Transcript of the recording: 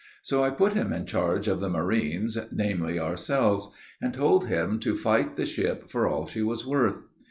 So I put him in charge of the marines, namely, ourselves, and told him to fight the ship for all she was worth.